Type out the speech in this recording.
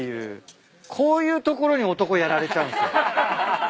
こういうところに男やられちゃうんす。